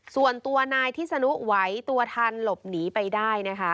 ส่วนตัวนายที่สนุกไว้ตัวทันหลบหนีไปได้